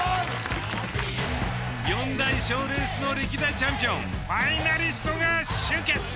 ４大賞レースの歴代チャンピオンファイナリストが集結。